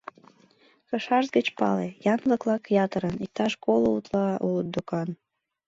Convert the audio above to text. Кышашт гыч пале: янлык-влак ятырын, иктаж коло утла улыт докан.